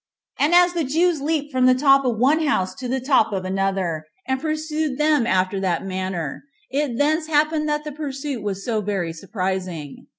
And as the Jews leaped from the top of one house to the top of another, and pursued them after that manner, it thence happened that the pursuit was so very surprising.